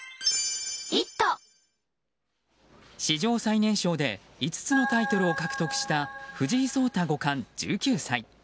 史上最年少で５つのタイトルを獲得した藤井聡太五冠、１９歳。